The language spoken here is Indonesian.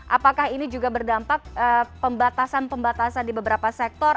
apakah ini juga berdampak pembatasan pembatasan di beberapa sektor